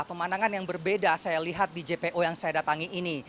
pemandangan yang berbeda saya lihat di jpo yang saya datangi ini